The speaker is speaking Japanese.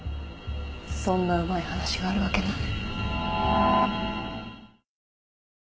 そんなうまい話があるわけない。